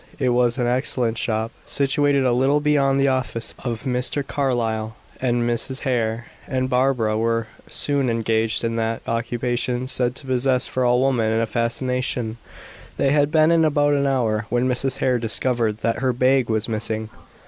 It was an excellent shop, situated a little beyond the office of Mr. Carlyle, and Mrs. Hare and Barbara were soon engaged in that occupation said to possess for all women a fascination. They had been in about an hour, when Mrs. Hare discovered that her bag was missing.